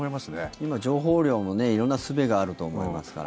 今、情報量も色んなすべがあると思いますからね。